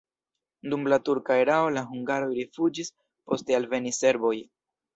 Dum la turka erao la hungaroj rifuĝis, poste alvenis serboj.